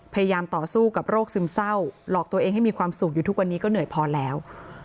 พยายามต่อสู้กับโรคซึมเศร้าหลอกตัวเองให้มีความสุขอยู่ทุกวันนี้ก็เหนื่อยพอแล้ว